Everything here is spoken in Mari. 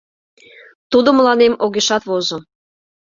Тудо мыланем огешат возо.